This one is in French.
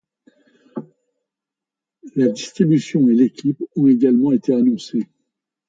La distribution et l'équipe ont également été annoncés.